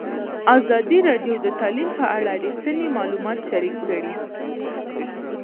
ازادي راډیو د تعلیم په اړه رښتیني معلومات شریک کړي.